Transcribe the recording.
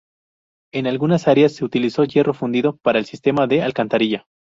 En algunas áreas se utilizó hierro fundido para el sistema de alcantarilla.